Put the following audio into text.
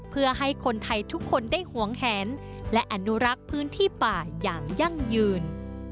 เพื่อให้คนไทยทุกคนได้หวงแหนและอนุรักษ์พื้นที่ป่าอย่างยั่งยืน